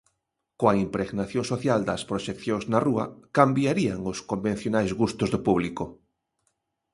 Coa impregnación social das proxeccións na rúa, cambiarían os convencionais gustos do público.